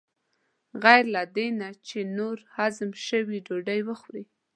غیر له دې نه چې نور هضم شوي ډوډۍ وخورې.